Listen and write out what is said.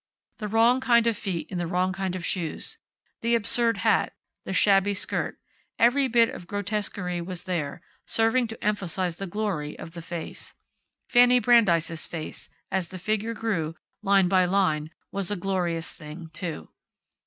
The wrong kind of feet in the wrong kind of shoes; the absurd hat; the shabby skirt every bit of grotesquerie was there, serving to emphasize the glory of the face. Fanny Brandeis' face, as the figure grew, line by line, was a glorious thing, too.